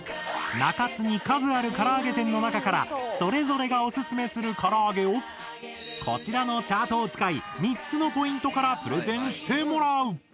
中津に数あるから揚げ店の中からそれぞれがオススメするから揚げをこちらのチャートを使い３つのポイントからプレゼンしてもらう！